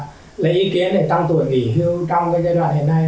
lấy ý kiến để tăng tuổi nghỉ hưu trong giai đoạn hiện nay